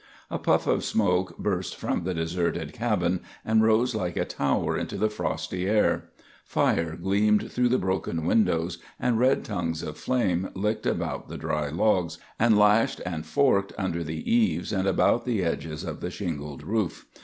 A puff of smoke burst from the deserted cabin and rose like a tower into the frosty air. Fire gleamed through the broken windows, and red tongues of flame licked about the dry logs, and lashed and forked under the eaves and about the edges of the shingled roof.